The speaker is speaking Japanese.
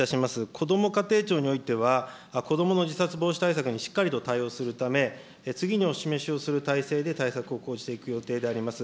こども家庭庁においては、子どもの自殺防止対策にしっかりと対応するため、次にお示しをする体制で対策を講じていく予定であります。